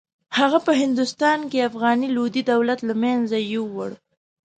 هغه په هندوستان کې افغاني لودي دولت له منځه یووړ.